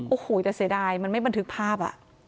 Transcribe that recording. โอ้โหแต่เสียดายมันไม่บันทึกภาพ